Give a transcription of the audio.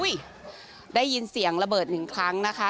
ได้ยินเสียงระเบิดหนึ่งครั้งนะคะ